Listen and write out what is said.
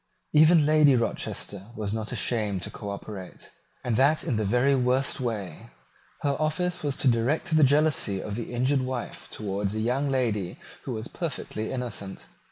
Even Lady Rochester was not ashamed to cooperate, and that in the very worst way. Her office was to direct the jealousy of the injured wife towards a young lady who was perfectly innocent.